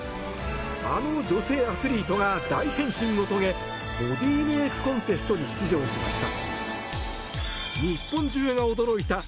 あの女性アスリートが大変身を遂げボディーメイクコンテストに出場しました。